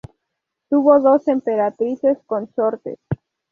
Tuvo dos emperatrices consortes.